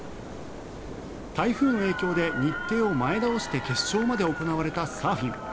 台風の影響で日程を前倒して決勝まで行われたサーフィン。